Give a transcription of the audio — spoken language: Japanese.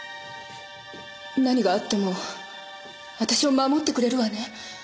何があっても私を守ってくれるわね？